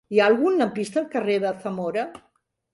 Hi ha algun lampista al carrer de Zamora?